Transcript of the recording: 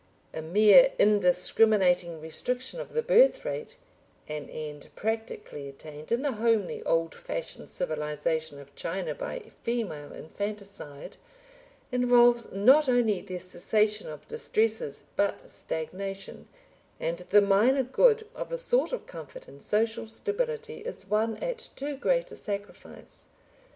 A mere indiscriminating restriction of the birth rate an end practically attained in the homely, old fashioned civilisation of China by female infanticide, involves not only the cessation of distresses but stagnation, and the minor good of a sort of comfort and social stability is won at too great a sacrifice.